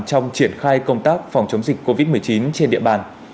trong triển khai công tác phòng chống dịch covid một mươi chín trên địa bàn